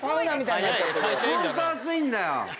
ホント熱いんだよ。